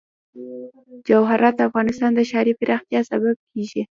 جواهرات د افغانستان د ښاري پراختیا سبب کېږي.